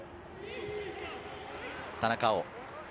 田中碧。